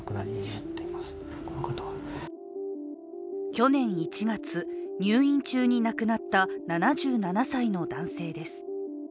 去年１月、入院中に亡くなった７７歳の男性です。